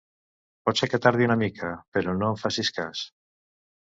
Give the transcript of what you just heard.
Pot ser que tardi una mica, però no en facis cas.